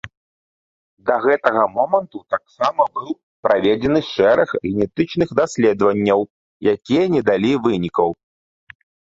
Да гэтага моманту таксама быў праведзены шэраг генетычных даследаванняў, якія не далі вынікаў.